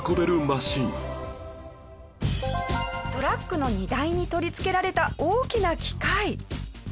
トラックの荷台に取り付けられた大きな機械。